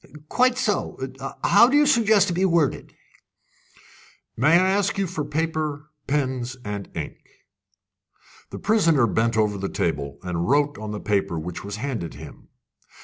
"Quite so. How do you suggest it should be worded?" "May I ask you for paper, pens, and ink?" The prisoner bent over the table and wrote on the paper which was handed him.